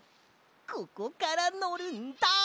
ここからのるんだ！